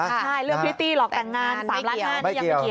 ใช่เรื่องพิวตี้หลอกต่างงาน๓ล้านห้านยังไม่เกี่ยว